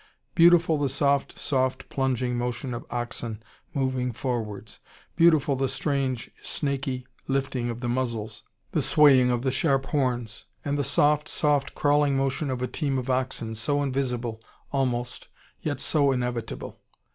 Beautiful the soft, soft plunging motion of oxen moving forwards. Beautiful the strange, snaky lifting of the muzzles, the swaying of the sharp horns. And the soft, soft crawling motion of a team of oxen, so invisible, almost, yet so inevitable.